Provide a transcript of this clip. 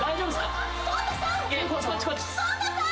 草太さん！